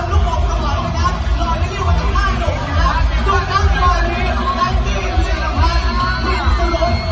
และก่อนนี้กับเจริญมอร์พัดและชีเนื้อยีนิพันธ์